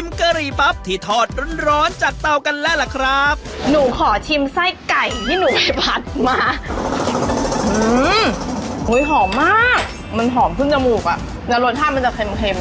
หอมมากมันหอมขึ้นจมูกอ่ะแล้วรสชาติมันจะเค็ม